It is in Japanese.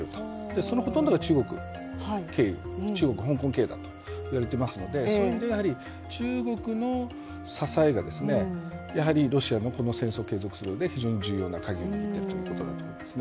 そのほとんどが中国経由、中国・香港経由だといわれてますのでそういう意味では、中国の支えがやはりロシアの戦争を継続するうえで非常に重要なカギを握っているということですね。